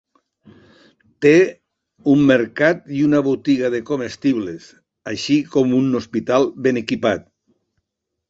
Té un mercat i una botiga de comestibles, així com un hospital ben equipat.